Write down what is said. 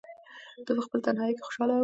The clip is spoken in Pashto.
دی په خپل تنهایۍ کې خوشحاله و.